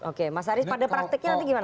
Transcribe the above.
oke mas arief pada praktiknya nanti gimana